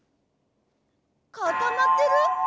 かたまってる？